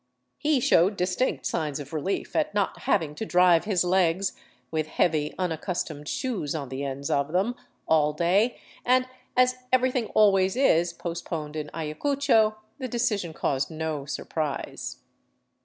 He showed distinct signs of relief at not having to drive his legs, with heavy, unaccustomed shoes on the ends of them, all day, and as everything always is postponed in Ayacucho, the de cision caused no surprise.